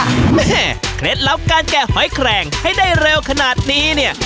เคล็ดลับการแกะหอยแคลงให้ได้เร็วขนาดนี้เนี่ย